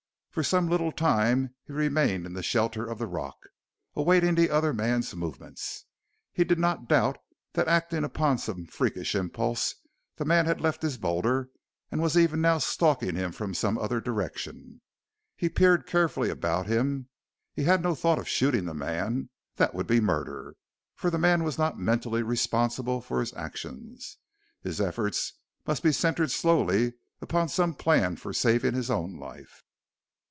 For some little time he remained in the shelter of the rock, awaiting the other man's movements. He did not doubt that acting upon some freakish impulse, the man had left his boulder and was even now stalking him from some other direction. He peered carefully about him. He had no thought of shooting the man that would be murder, for the man was not mentally responsible for his actions. His efforts must be centered solely upon some plan for saving his own life.